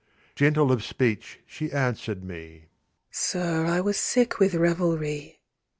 Gentle of speech she answered me: "Sir, I was sick with revelry.